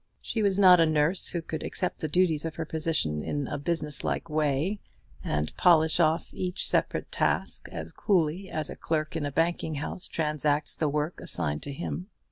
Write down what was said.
She was not a nurse who could accept the duties of her position in a businesslike way, and polish off each separate task as coolly as a clerk in a banking house transacts the work assigned to him.